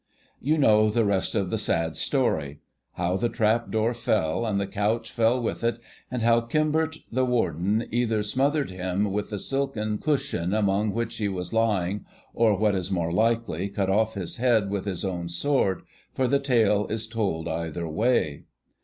You know the rest of the sad story: how the trap door fell, and the couch fell with it, and how Cymbert the Warden either smothered him with the silken cushions among which he was lying, or, what is more likely, cut off his head with his own sword, for the tale is told either way.